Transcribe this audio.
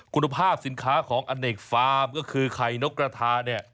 คุณภาพสินค้าของอเนกฟาร์มก็คือไข่นกกระทาเนี่ย